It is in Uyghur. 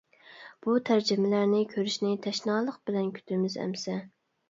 بۇ تەرجىمىلەرنى كۆرۈشنى تەشنالىق بىلەن كۈتىمىز ئەمىسە.